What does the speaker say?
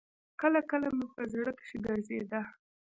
کله کله مې په زړه کښې ګرځېده.